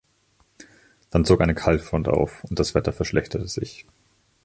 Dann zog eine Kaltfront auf und das Wetter verschlechterte sich.